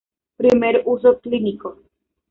Primer uso clínico.